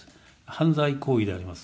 犯罪行為であります。